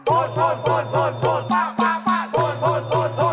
โอ้โฮ